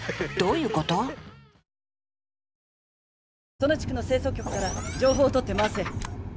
その地区の清掃局から情報を取って回せ。